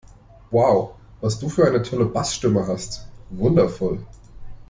Wow, was du für eine tolle Bassstimme hast! Wundervoll!